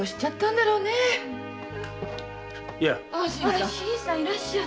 あ新さんいらっしゃい。